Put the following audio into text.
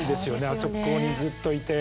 あそこにずっといて。